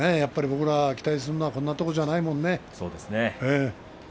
僕が期待するのはこんなところじゃないもんね。